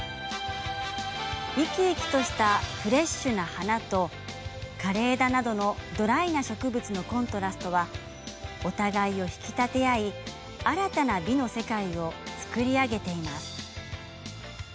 生き生きとしたフレッシュな花と枯れ枝などのドライな植物のコントラストはお互いを引き立て合い新たな美の世界を作り上げています。